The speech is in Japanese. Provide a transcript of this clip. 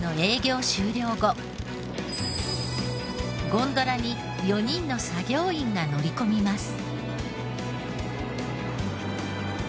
ゴンドラに４人の作業員が乗り込みます。